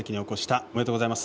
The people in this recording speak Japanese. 十両優勝、おめでとうございます。